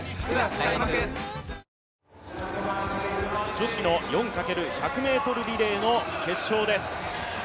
女子の４×１００ｍリレーの決勝です。